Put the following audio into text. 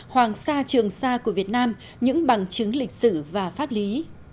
hoàng sa trường sa của việt nam những bằng chứng lịch sử và pháp lý